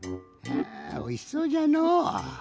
いやおいしそうじゃのう。